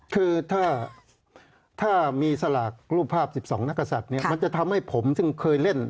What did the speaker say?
คือถ้ามีสลากรูปภาพ๑๒นักศัตริย์เนี่ยมันจะทำให้ผมซึ่งเคยเล่น